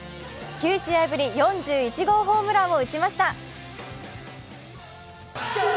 ９試合ぶり４１号ホームランを打ちました。